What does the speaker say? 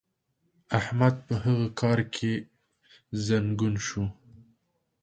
احمد په هغه کار کې زنګون شو.